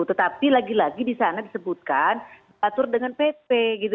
tetapi lagi lagi di sana disebutkan atur dengan pp